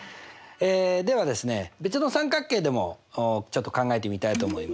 では別の三角形でもちょっと考えてみたいと思います。